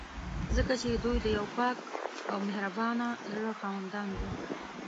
ځکه چې دوی د یو پاک او مهربانه زړه خاوندان دي.